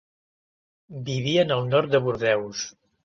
Vivien al nord de Bordeus.